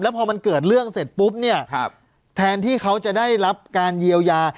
พอมันเกิดเรื่องเสร็จปุ๊บเนี่ยแทนที่เขาจะได้รับการเยียวยา